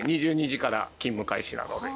２２時から勤務開始なので。